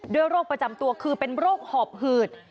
โรคประจำตัวคือเป็นโรคหอบหืด